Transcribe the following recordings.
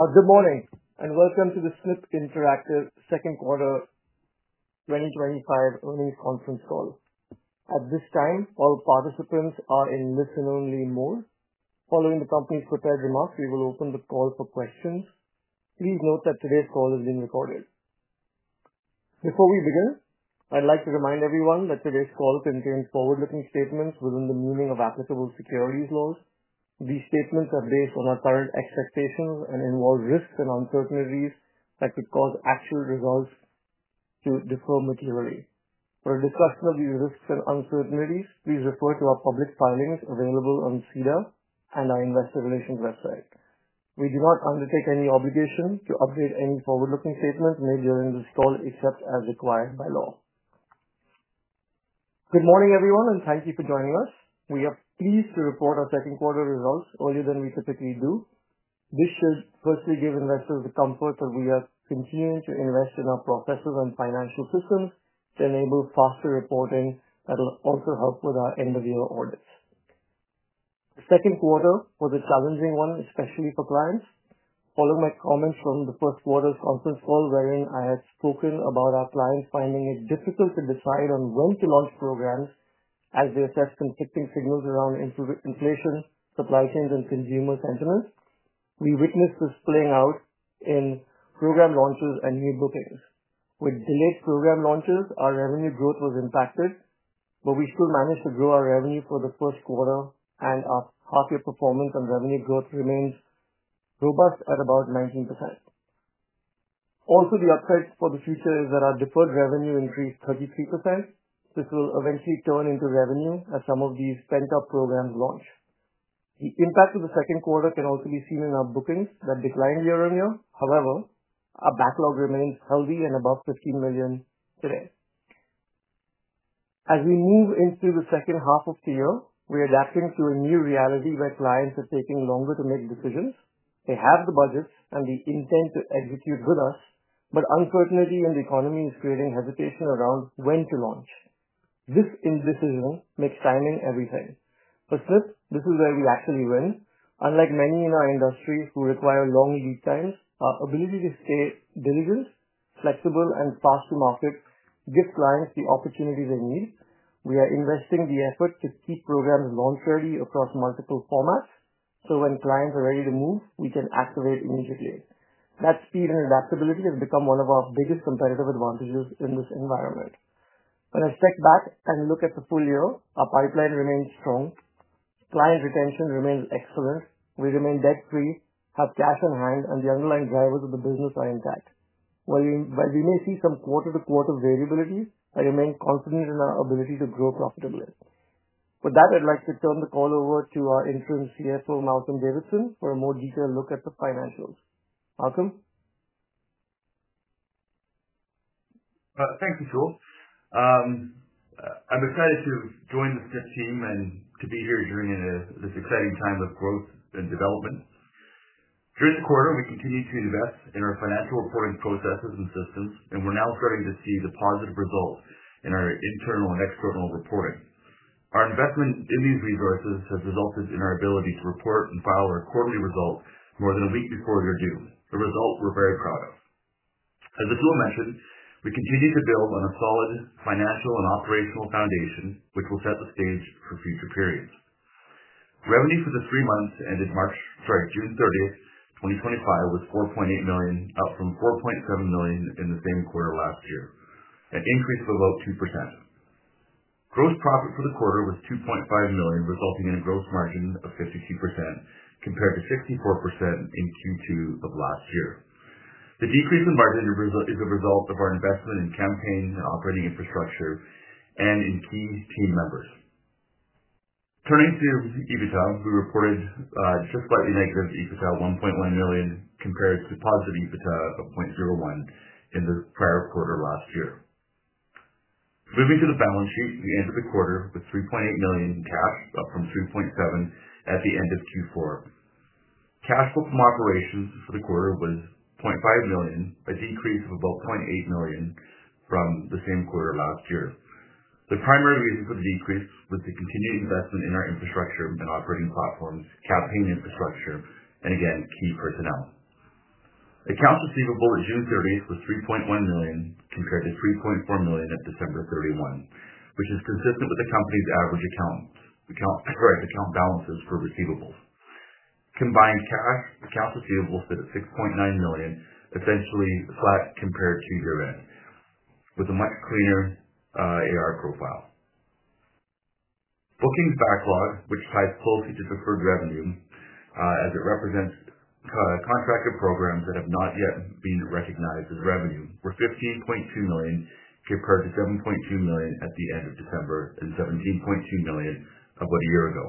Good morning and welcome to the Snipp Interactive Second Quarter 2025 Earnings Conference Call. At this time, all participants are in listen-only mode. Following the company's prepared remarks, we will open the call for questions. Please note that today's call is being recorded. Before we begin, I'd like to remind everyone that today's call contains forward-looking statements within the meaning of applicable securities laws. These statements are based on our current expectations and involve risks and uncertainties that could cause actual results to differ materially. For a discussion of these risks and uncertainties, please refer to our public filings available on SEDAR and our Investor Relations website. We do not undertake any obligation to update any forward-looking statements made during this call, except as required by law. Good morning, everyone, and thank you for joining us. We are pleased to report our second quarter results earlier than we typically do. This should firstly give investors the comfort that we are continuing to invest in our processes and financial systems to enable faster reporting that will also help with our end-of-year audits. The second quarter was a challenging one, especially for clients. Following my comments from the first quarter's conference call, wherein I had spoken about our clients finding it difficult to decide on when to launch programs as they assess conflicting signals around inflation, supply chains, and consumer sentiment, we witnessed this playing out in program launches and new bookings. With delayed program launches, our revenue growth was impacted, but we still managed to grow our revenue for the first quarter, and our half-year performance on revenue growth remains robust at about 19%. Also, the upside for the future is that our deferred revenue increased 33%, which will eventually turn into revenue as some of these pent-up programs launch. The impact of the second quarter can also be seen in our bookings that declined year on year. However, our backlog remains healthy and above $15 million today. As we move into the second half of the year, we're adapting to a new reality where clients are taking longer to make decisions. They have the budgets and the intent to execute with us, but unfortunately, when the economy is creating hesitation around when to launch, this indecision makes timing a return. For Snipp, this is where we actually win. Unlike many in our industries who require long lead times, our ability to stay diligent, flexible, and fast to market gives clients the opportunity they need. We are investing the effort to keep programs launched readily across multiple formats, so when clients are ready to move, we can activate immediately. That speed and adaptability has become one of our biggest competitive advantages in this environment. When I step back and look at the full year, our pipeline remains strong. Client retention remains excellent. We remain debt-free, have cash on hand, and the underlying drivers of the business are intact. While we may see some quarter-to-quarter variability, I remain confident in our ability to grow profitably. With that, I'd like to turn the call over to our Interim CFO, Malcolm Davidson, for a more detailed look at the financials. Malcolm. Thank you, Atul. I'm excited to join the Snipp team and to be here during this exciting time of growth and development. During the quarter, we continued to invest in our financial reporting processes and systems, and we're now starting to see the positive result in our internal and external reporting. Our investment in these resources has resulted in our ability to report and file our quarterly results more than a week before we were due, a result we're very proud of. As I mentioned, we continue to build on a solid financial and operational foundation, which will set the stage for future periods. Revenue for the three months ended June 30th, 2025, was $4.8 million, up from $4.7 million in the same quarter last year, an increase of about 2%. Gross profit for the quarter was $2.5 million, resulting in a gross margin of 52% compared to 64% in Q2 of last year. The decrease in margin is a result of our investment in campaign and operating infrastructure and in key team members. Turning to EBITDA, we reported just slightly negative EBITDA, $1.1 million, compared to positive EBITDA of $0.01 million in the prior quarter last year. Moving to the balance sheet, we ended the quarter with $3.8 million in cash, up from $3.7 million at the end of Q4. Cash flow from operations for the quarter was $0.5 million, a decrease of about $0.8 million from the same quarter last year. The primary reason for the decrease was the continued investment in our infrastructure and operating platforms, campaign infrastructure, and again, key personnel. Accounts receivable at June 30th was $3.1 million compared to $3.4 million at December 31, which is consistent with the company's average account balances for receivables. Combined cash, accounts receivable stood at $6.9 million, essentially flat compared to year-end, with a much cleaner AR profile. Bookings backlog, which ties closely to deferred revenue, as it represents contracted programs that have not yet been recognized as revenue, were $15.2 million compared to $7.2 million at the end of December and $17.2 million about a year ago.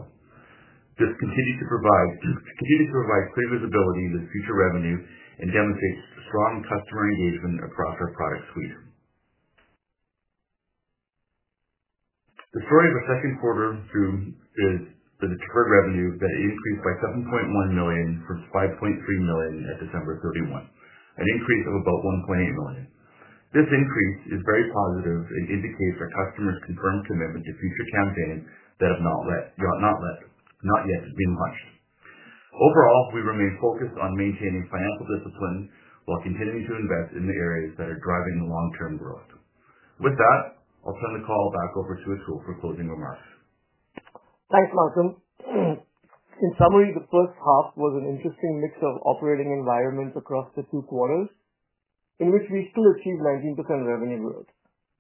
This continued to provide clear visibility into future revenue and demonstrate strong customer engagement across our product suite. The story of the second quarter is the deferred revenue that increased by $7.1 million from $5.3 million at December 31, an increase of about $1.8 million. This increase is very positive and indicates our customers' confirmed commitment to future campaigns that have not yet been launched. Overall, we remain focused on maintaining financial discipline while continuing to invest in the areas that are driving long-term growth. With that, I'll turn the call back over to Atul for closing remarks. Thanks, Malcolm. In summary, the first half was an interesting mix of operating environments across the two quarters in which we still achieved 19% revenue growth.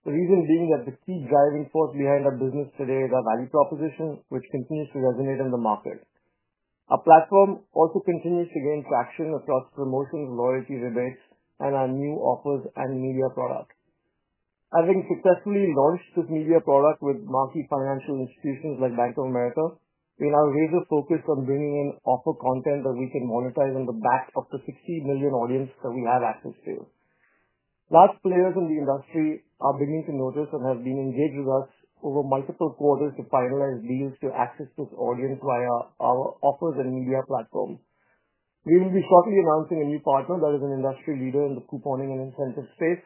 The reason being that the key driving force behind our business today is our value proposition, which continues to resonate in the market. Our platform also continues to gain traction across promotions, loyalty rebates, and our new offers and media product. Having successfully launched this media product with marquee financial institutions like Bank of America, we now raise our focus on bringing in offer content that we can monetize on the backs of the 60 million audience that we have access to. Large players in the industry are beginning to notice and have been engaged with us over multiple quarters to finalize deals to access this audience via our offers and media platform. We will be shortly announcing a new partner that is an industry leader in the couponing and incentive space.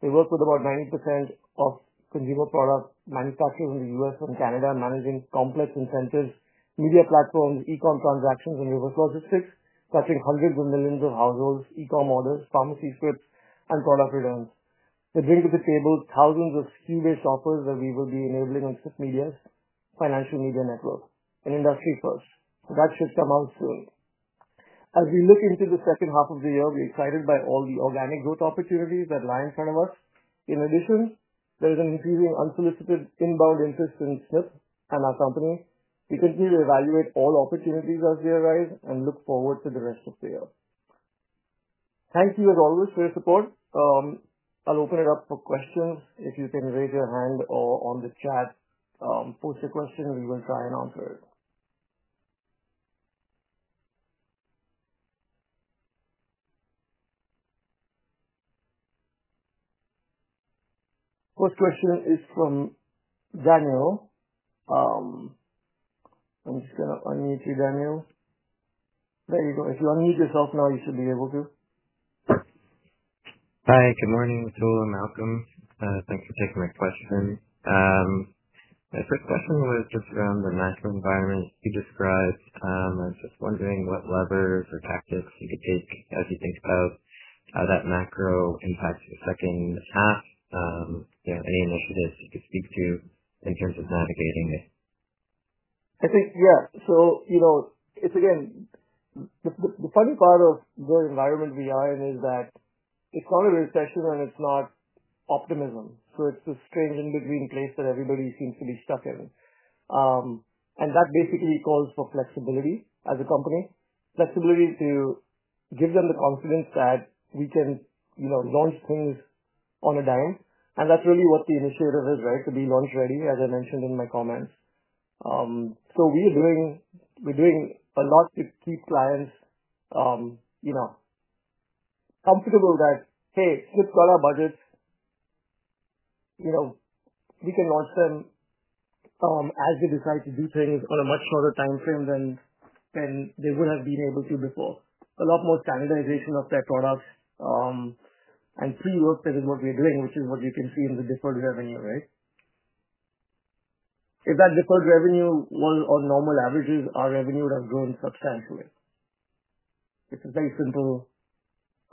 They work with about 90% of consumer product manufacturers in the U.S., and Canada and manage complex incentives, media platforms, e-com transactions, and reverse logistics, touching hundreds of millions of households, e-com orders, pharmacy scripts, and product returns. They bring to the table thousands of huge shoppers that we will be enabling on Snipp Media's financial media network and industry first. That should come out soon. As we look into the second half of the year, we're excited by all the organic growth opportunities that lie in front of us. In addition, there is an increasing unsolicited inbound interest in Snipp and our company. We continue to evaluate all opportunities as they arise and look forward to the rest of the year. Thank you, as always, for your support. I'll open it up for questions if you can raise your hand or on the chat, post a question, and we will try and answer it. First question is from Daniel. I'm just going to unmute you, Daniel. There you go. If you unmute yourself now, you should be able to. Hi. Good morning, Atul and Malcolm. Thanks for taking my question. A quick question was just around the macro environment you described. I was just wondering what levers or tactics you could take as you think about how that macro impacts the second half. You know, any initiatives you could speak to in terms of navigating it. I think, yeah. You know, the funny part of the environment we are in is that it's not a recession and it's not optimism. It's this strange in-between place that everybody seems to be stuck in, and that basically calls for flexibility as a company, flexibility to give them the confidence that we can launch things on a dime. That's really what the initiative is, right, to be launch ready, as I mentioned in my comments. We are doing a lot to keep clients comfortable that, hey, Snipp got our budget. We can launch them as they decide to do things on a much shorter timeframe than they would have been able to before. A lot more standardization of their products and free work, that is what we're doing, which is what you can see in the deferred revenue, right? If that deferred revenue were on normal averages, our revenue would have grown substantially. It's a very simple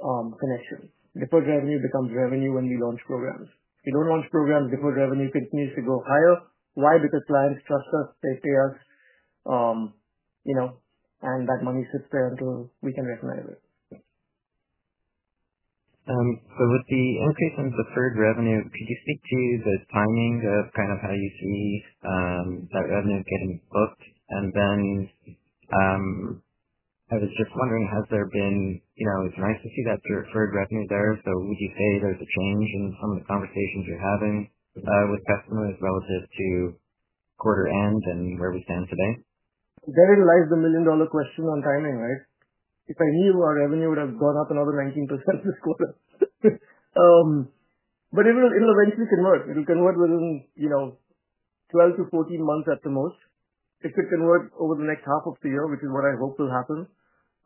connection. Deferred revenue becomes revenue when we launch programs. If we don't launch programs, deferred revenue continues to go higher. Why? Because clients trust us, they pay us, and that money sits there until we can recognize it. With the onset of the deferred revenue, could you speak to the timing of kind of how you see that revenue getting booked? I was just wondering, it's nice to see that deferred revenue there. Would you say there's a change in some of the conversations you're having with customers relative to quarter end and where we stand today? Therein lies the million-dollar question on timing, right? If I knew our revenue would have gone up another 19% this quarter, but it'll eventually convert. It'll convert within, you know, 12-14 months at the most. It could convert over the next half of the year, which is what I hope will happen.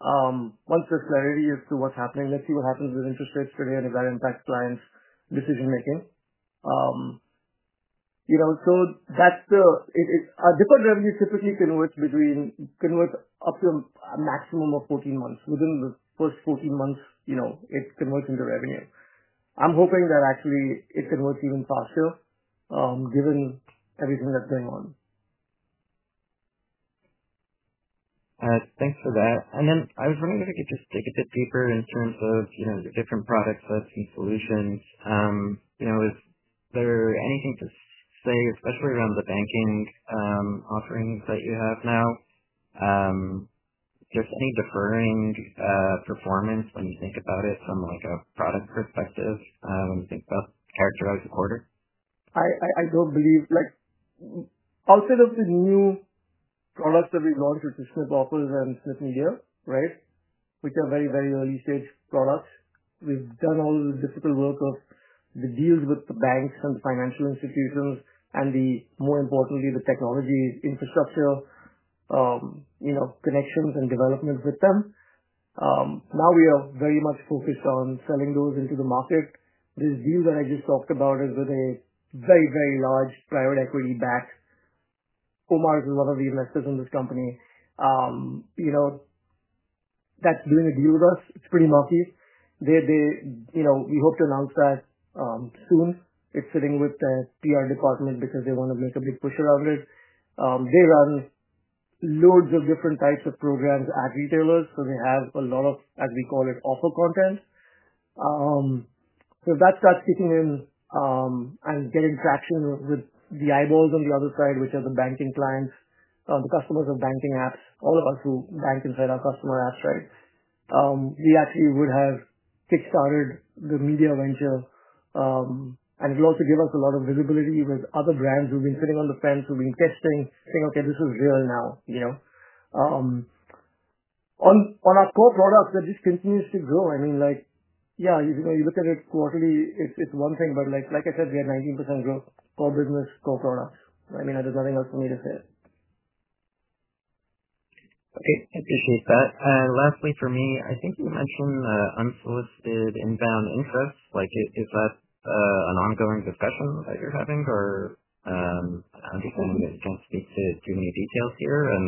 Once the clarity is to what's happening, let's see what happens with interest rates today and if that impacts clients' decision-making. That's the, our deferred revenue typically converts between up to a maximum of 14 months. Within the first 14 months, you know, it converts into revenue. I'm hoping that actually it converts even faster, given everything that's going on. Thanks for that. I was wondering if we could just dig a bit deeper in terms of the different products that Snipp frutions, you know, is there anything to say, especially around the banking offerings that you have now? Just need deferring, performance when you think about it from like a product perspective, when you think about characterizing the quarter? I don't believe, like, outside of the new products that we've launched with Snipp Offers and Snipp Media which are very, very early-stage products, we've done all the difficult work of the deals with the banks and the financial institutions and, more importantly, the technologies, infrastructure, connections and development with them. Now we are very much focused on selling those into the market. This deal that I just talked about is with a very, very large private equity backed company. Comarch is one of the investors in this company, you know, that's doing a deal with us. It's pretty marquee. We hope to launch that soon. It's sitting with the PR department because they want to make a big push around it. They run loads of different types of programs at retailers, so they have a lot of, as we call it, offer content. If that starts kicking in and getting traction with the eyeballs on the other side, which are the banking clients, the customers of banking apps, all of us who bank inside our customer apps, right? We actually would have kickstarted the media venture, and it will also give us a lot of visibility with other brands who've been sitting on the fence, who've been testing, saying, "Okay, this is real now." On our core products, that just continues to grow. I mean, like, yeah, you know, you look at it quarterly, it's one thing, but like I said, we are 19% growth, core business, core products. I mean, there's nothing else for me to say. Okay. I appreciate that. Lastly, for me, I think you mentioned the unsolicited inbound interest. Is that an ongoing discussion that you're having? I just want to speak to too many details here and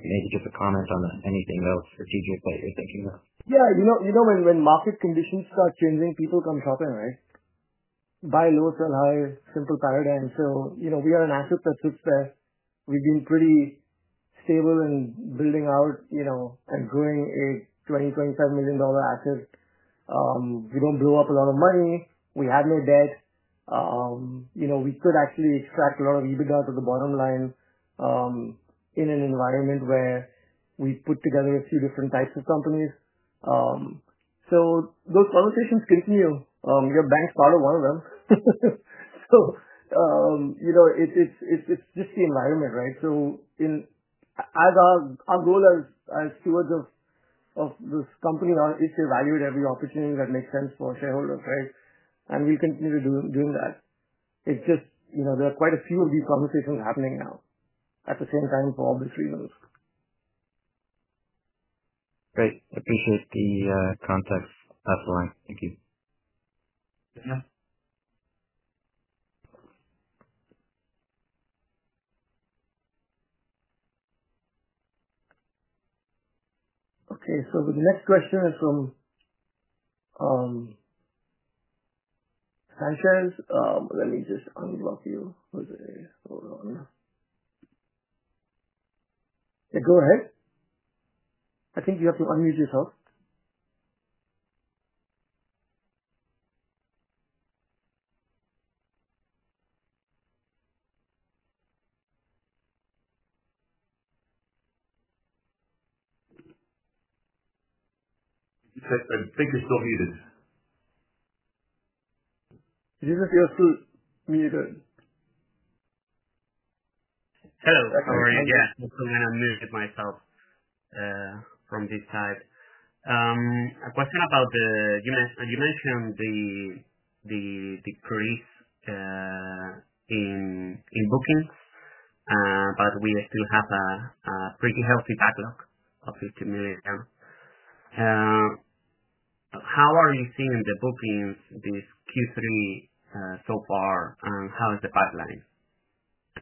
maybe give a comment on anything else strategic that you're thinking of. Yeah. When market conditions start changing, people come shopping, right? Buy low, sell high, simple paradigm. We are an asset that sits there. We've been pretty stable in building out and growing a $20 million, $25 million asset. We don't blow up a lot of money. We had no debt. We could actually extract a lot of EBITDA for the bottom line in an environment where we put together a few different types of companies. Those conversations continue. Your bank's part of one of them. It's just the environment, right? Our goal as stewards of this company now is to evaluate every opportunity that makes sense for shareholders, right? We continue to do that. There are quite a few of these conversations happening now at the same time for obvious reasons. Great. I appreciate the context. That's all right. Thank you. Okay, the next question is from Francis. Let me just unmute you for a second. Go ahead. I think you have to unmute yourself. I think he's still muted. Did you just hear us too, muted? Hello. How are you? Yeah, I'm clean and I've muted myself from this side. A question about the, you mentioned the decrease in bookings, but we still have a pretty healthy backlog of $15 million. How are you seeing the bookings this Q3 so far, and how is the pipeline?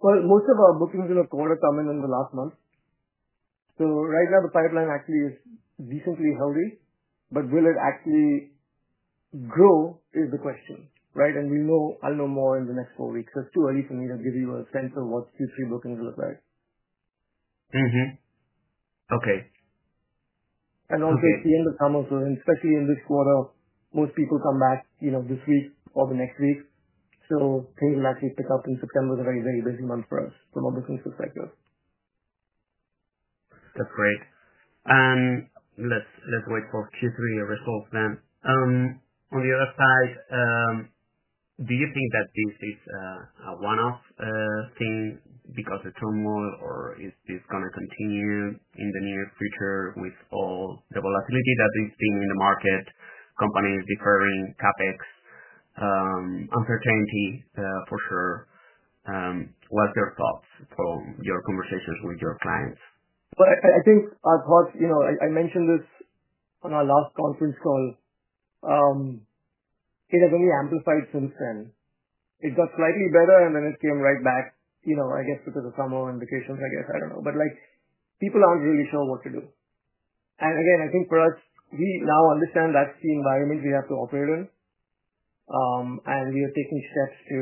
Most of our bookings in October come in in the last month. Right now, the pipeline actually is decently healthy, but will it actually grow is the question, right? I know I'll know more in the next four weeks. It's too early for me to give you a sense of what Q3 bookings look like. Okay. At the end of summer, especially in this quarter, most people come back, you know, this week or the next week. Things will actually pick up in September the right way this month for us from a booking perspective. That's great. Let's wait for Q3 results then. On the other side, do you think that this is a one-off thing because of turmoil, or is this going to continue in the near future with all the volatility that is seen in the market, companies deferring CapEx, uncertainty for sure? What's your thoughts from your conversations with your clients? I mentioned this on our last conference call. It has only amplified since then. It got slightly better, and then it came right back, I guess because of turmoil and vacations. I don't know. People aren't really sure what to do. I think for us, we now understand that's the environment we have to operate in, and we are taking steps to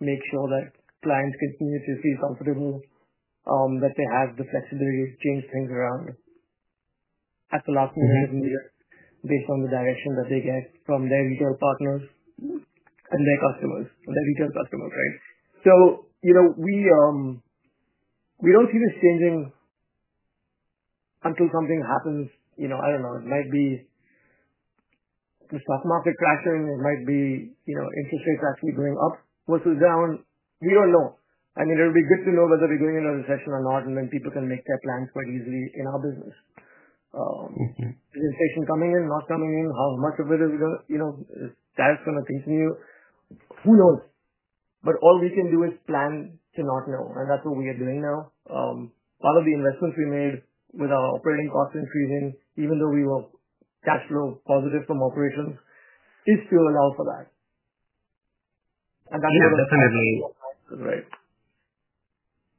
make sure that clients continue to feel comfortable, that they have the flexibility to change things around. That's a lot easier than the other based on the direction that they get from their legal partners and their customers, their retail customers, right? We don't see this changing until something happens. I don't know, it might be the stock market cracking, it might be interest rates actually going up versus down. We don't know. It'll be good to know whether we're going in a recession or not and when people can make their plans quite easily in our business. Is the recession coming in, not coming in, how much of it is going to, is that going to continue? Who knows? All we can do is plan to not know. That's what we are doing now. Part of the investments we made with our operating costs increasing, even though we were cash flow positive from operations, is to allow for that. That's what we're doing. Yeah, definitely. Right.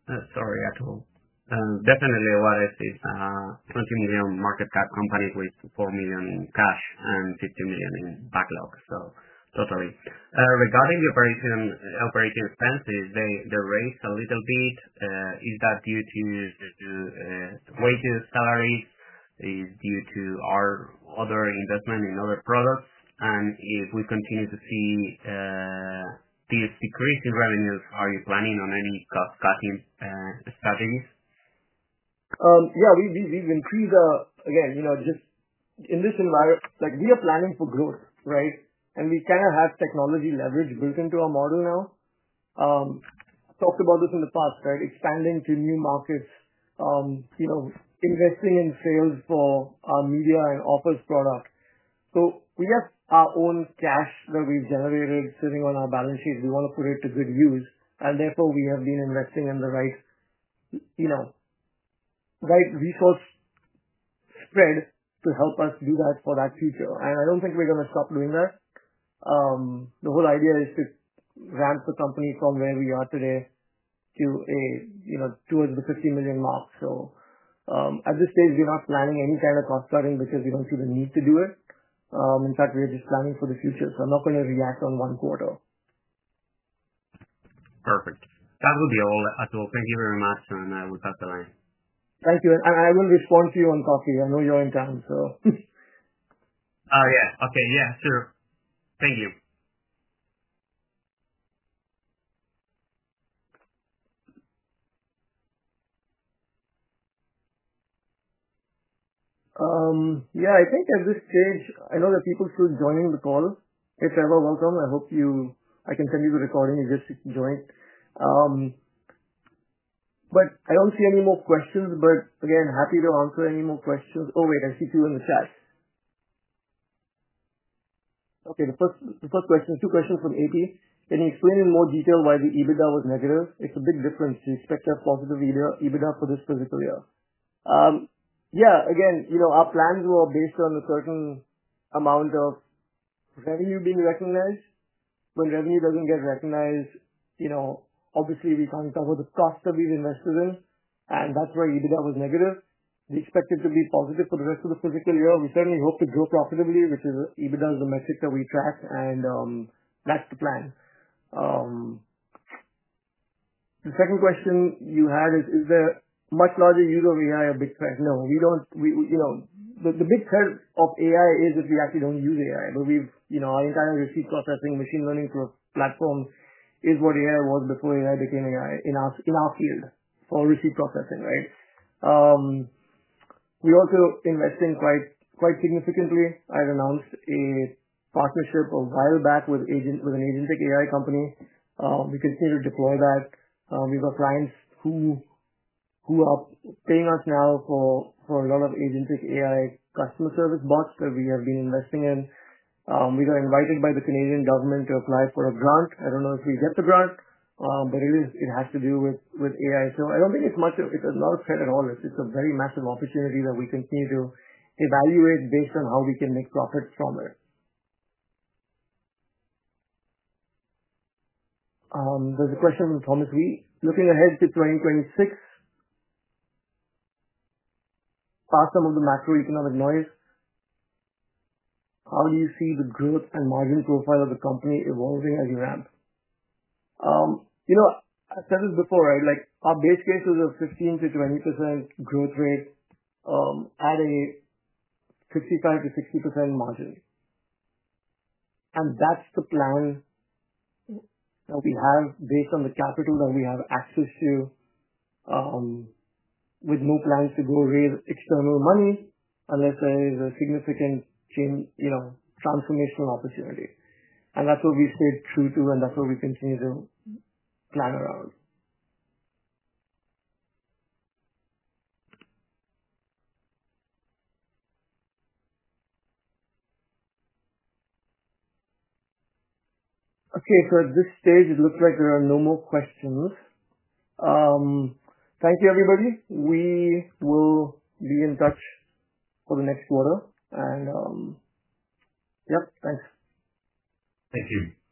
I see $20 million market cap companies with $4 million in cash and $15 million in backlog. Totally. Regarding the operating expenses, they raise a little bit. Is that due to wages, salaries? Is it due to our other investment in other products? If we continue to see this decrease in revenues, are you planning on any cost cutting strategies? Yeah, we've increased our, again, just in this environment, like we are planning for growth, right? We kind of have technology leverage built into our model now. I've talked about this in the past, right? Expanding to new markets, investing in sales for our Media and Offers product. We have our own cash that we've generated sitting on our balance sheet. We want to put it to good use. Therefore, we have been investing in the right resource spread to help us do that for that future. I don't think we're going to stop doing that. The whole idea is to ramp the company from where we are today to a $250 million mark. At this stage, we're not planning any kind of cost cutting because we don't see the need to do it. In fact, we're just planning for the future. I'm not going to react on one quarter. Perfect. That will be all. Atul, thank you very much. I'll wrap it up. Thank you. I will respond to you on coffee. I know you're in town, so. Oh, yeah. Okay. Yeah, sure. Thank you. Yeah, I think at this stage, I know that people should join the call. If ever, welcome. I hope you, I can send you the recording if you just join. I don't see any more questions, but again, happy to answer any more questions. Oh, wait, I see two in the chat. Okay, the first question, two questions from AP. Can you explain in more detail why the EBITDA was negative? It's a big difference to expect a positive EBITDA for this fiscal year. Yeah, again, our plans were based on a certain amount of revenue being recognized. When revenue doesn't get recognized, obviously, we can't cover the cost that we've invested in. That's why EBITDA was negative. We expect it to be positive for the rest of the fiscal year. We certainly hope to grow profitably, which is EBITDA is the metric that we track. That's the plan. The second question you had is, is there a much larger use of AI a big threat? No, we don't. The big threat of AI is if we actually don't use AI. Anytime receipt processing, machine learning for a platform is what AI was before AI became AI in our field for receipt processing, right? We also invested quite, quite significantly. I've announced a partnership a while back with an agentic AI company. We continue to deploy that. We've got clients who are paying us now for a lot of agentic AI customer service bots that we have been investing in. We got invited by the Canadian government to apply for a grant. I don't know if we get the grant, but it has to do with AI. I don't think it's much of, it's a lot of head at all. It's a very massive opportunity that we continue to evaluate based on how we can make profits from it. There's a question from Thomas Lee. Looking ahead to 2026, apart from the macroeconomic noise, how do you see the growth and margin profile of the company evolving as you ramp? I said this before, right? Our base case was a 15%- 20% growth rate at a 55%-60% margin. That's the plan that we have based on the capital that we have access to, with no plans to go raise external money unless there is a significant change, transformational opportunity. That's what we stayed true to, and that's what we continue to plan around. At this stage, it looks like there are no more questions. Thank you, everybody. We will be in touch for the next quarter. Yep, thanks. Thank you.